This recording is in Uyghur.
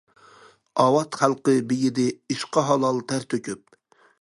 ئاۋات خەلقى بېيىدى، ئىشقا ھالال تەر تۆكۈپ.